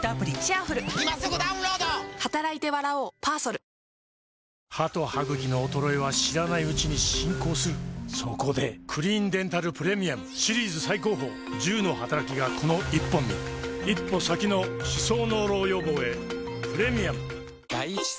何度でも触れたくなる「なめらか美肌」へ「ｄプログラム」歯と歯ぐきの衰えは知らないうちに進行するそこで「クリーンデンタルプレミアム」シリーズ最高峰１０のはたらきがこの１本に一歩先の歯槽膿漏予防へプレミアム